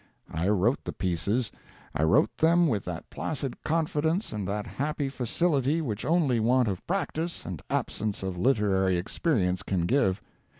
I wrote the pieces. I wrote them with that placid confidence and that happy facility which only want of practice and absence of literary experience can give.